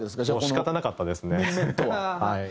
仕方なかったですねはい。